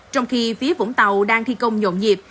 trong khi phía vũng tàu đang thi công nhộn nhịp